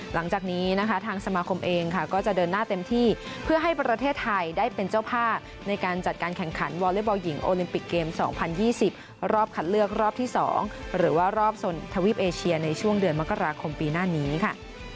หลังจากนี้นะคะทางสมาคมเองค่ะก็จะเดินหน้าเต็มที่เพื่อให้ประเทศไทยได้เป็นเจ้าภาพในการจัดการแข่งขันวอเล็กบอลหญิงโอลิมปิกเกม๒๐๒๐รอบคัดเลือกรอบที่๒หรือว่ารอบส่วนทวีปเอเชียในช่วงเดือนมกราคมปีหน้านี้ค่ะ